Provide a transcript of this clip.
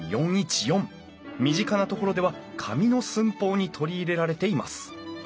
身近なところでは紙の寸法に取り入れられています。